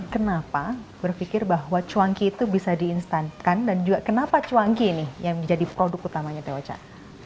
kenapa berpikir bahwa cuan ki itu bisa di instankan dan juga kenapa cuan ki ini yang menjadi produk utamanya teh ocak